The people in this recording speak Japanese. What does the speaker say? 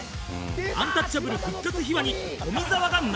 アンタッチャブル復活秘話に富澤が涙